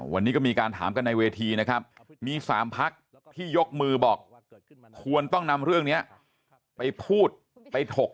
วันนี้ก็มีการถามกันในเวทีนะครับ